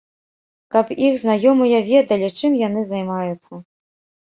Каб іх знаёмыя ведалі, чым яны займаюцца.